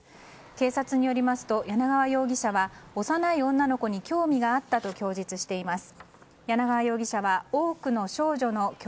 警察によりますと、柳川容疑者は幼い女の子に興味があったと供述しています。